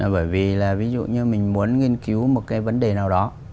bởi vì là ví dụ như mình muốn nghiên cứu một cái vấn đề nào đó